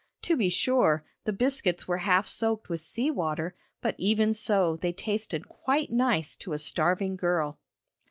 To be sure, the biscuits were half soaked with sea water, but even so they tasted quite nice to a starving girl.